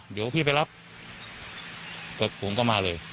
เดี๋ยวพี่ไปรับผมก็มาเลย